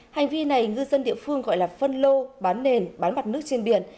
hành vi này ngư dân địa phương gọi là phân lô bán nền bán mặt nước trên biển